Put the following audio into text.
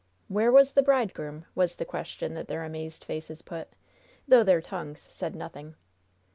"Where was the bridegroom?" was the question that their amazed faces put, though their tongues said nothing.